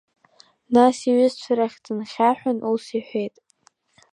Нас иҩызцәа рахь дынхьаҳәын ус иҳәеит…